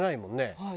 はい。